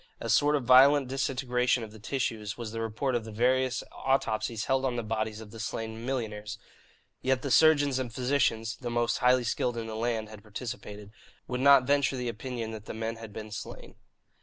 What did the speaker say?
A sort of violent disintegration of the tissues was the report of the various autopsies held on the bodies of the slain millionaires; yet the surgeons and physicians (the most highly skilled in the land had participated) would not venture the opinion that the men had been slain.